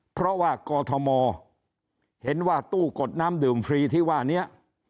เพราะว่ากอทมเห็นว่าตู้กดน้ำดื่มฟรีที่ว่านี้